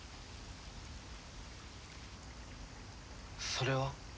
それは？